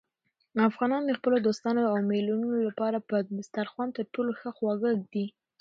افغانان د خپلو دوستانو او مېلمنو لپاره په دسترخوان تر ټولو ښه خواړه ایږدي.